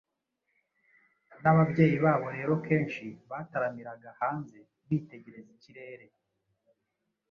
nababyeyi babo rero kenshi bataramiraga hanze, bitegereza ikirere